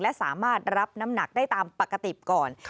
และสามารถรับน้ำหนักได้ตามปกติก่อน